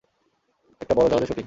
একটা বড় জাহাজে শ্যুটিং।